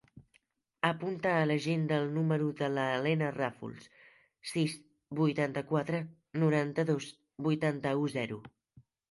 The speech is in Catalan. Apunta a l'agenda el número de la Helena Rafols: sis, vuitanta-quatre, noranta-dos, vuitanta-u, zero.